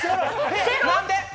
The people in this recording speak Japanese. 何で？